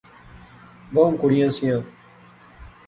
بہوں کڑیاں سیاں